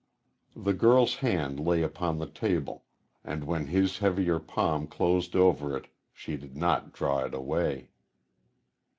The girl's hand lay upon the table, and when his heavier palm closed over it she did not draw it away.